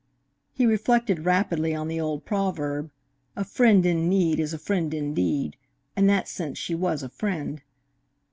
(He reflected rapidly on the old proverb, "A friend in need is a friend indeed." In that sense she was a friend.)